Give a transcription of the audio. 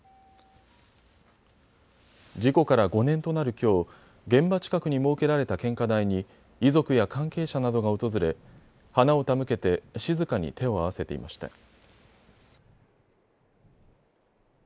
事故から５年となるきょう現場近くに設けられた献花台に遺族や関係者などが訪れ花を手向けて静かに手を合わせていました。